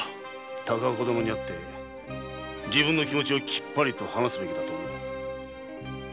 高岡殿に会って自分の気持ちをキッパリと話すべきだ。